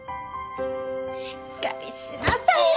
しっかりしなさいよ！